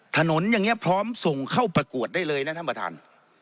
ถนนอย่างนี้พร้อมส่งเข้าประกวดได้เลยนะท่านประธาน